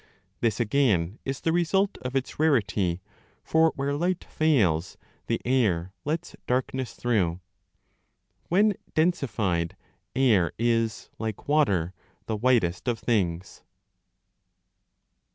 This again is the result of its rarity, for where light fails the air lets darkness through. 5 When densified, air is, like water, the whitest of things.